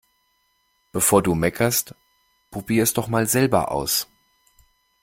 Bevor du meckerst, probier' es doch mal selber aus!